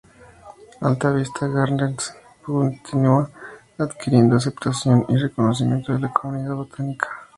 Alta Vista Gardens continúa adquiriendo aceptación y reconocimiento en la Comunidad Botánica.